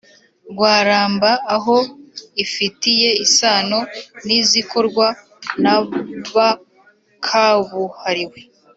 Rwaramba aho ifitiye isano n’izikorwa na ba kabuhariwe